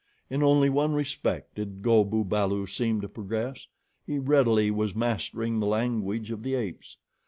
In only one respect did Go bu balu seem to progress he readily was mastering the language of the apes.